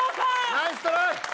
ナイストライ！